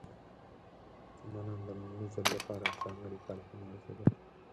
مسلمانان د لومړي ځل لپاره په ځانګړي کال هند ورسېدل.